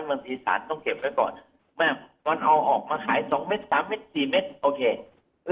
บางทีสารต้องเก็บไว้ก่อนแต่ว่าก่อนเอาออกมาขาย๒เมตร๓เมตร๔เมตรโอเค